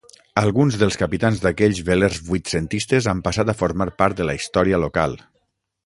Alguns dels capitans d'aquells velers vuitcentistes han passat a formar part de la història local.